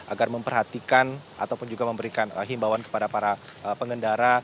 agar memperhatikan ataupun juga memberikan himbawan kepada para pengendara